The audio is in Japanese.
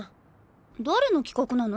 誰の企画なの？